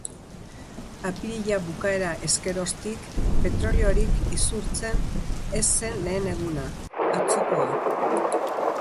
Apirila bukaera ezkeroztik petroliorik isurtzen ez zen lehen eguna, atzokoa.